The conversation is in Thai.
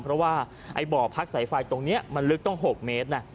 เพราะว่าไอ้บ่อพักสายไฟตรงนี้มันลึกต้อง๖เมตรนะ